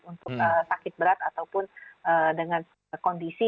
untuk sakit berat ataupun dengan kondisi